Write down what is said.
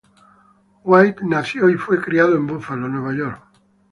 White nació y fue criada en Buffalo, Nueva York.